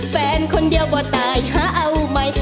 แฟนคนเดียวบ่ตายหาเอาไหม